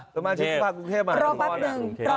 ต้องมาชิมภาคกรุงเทพมาก่อน